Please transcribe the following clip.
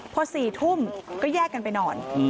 พอ๔ทุ่มก็แยกกันไปนอน